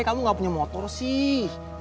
kamu gak punya motor sih